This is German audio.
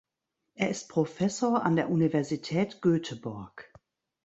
Er ist Professor an der Universität Göteborg.